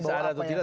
bisa ada atau tidak